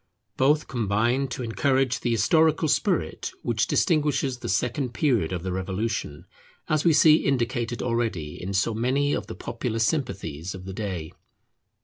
Both combine to encourage the historical spirit which distinguishes the second period of the Revolution, as we see indicated already in so many of the popular sympathies of the day.